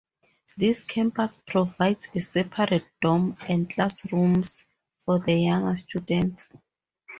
This campus provides a separate dorm and classrooms for the younger students.